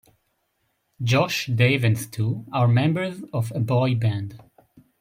Josh, Dave and Stu are members of a boy band.